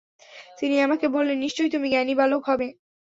তিনি আমাকে বললেন, নিশ্চয় তুমি জ্ঞানী বালক হবে।